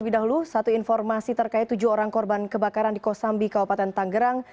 lebih dahulu satu informasi terkait tujuh orang korban kebakaran di kosambi kabupaten tanggerang